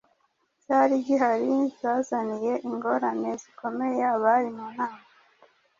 cyari gihari zazaniye ingorane zikomeye abari mu nama.